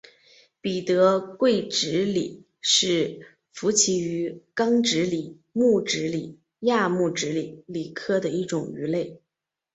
彼得桂脂鲤是辐鳍鱼纲脂鲤目脂鲤亚目鲑脂鲤科的一种鱼类。